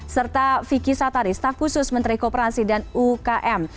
serta vicky satari staf khusus menteri kooperasi dan ukm